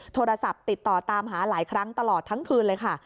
โทรศัพท์ติดต่อตามหาหลายครั้งตลอดทั้งคืนเลยค่ะ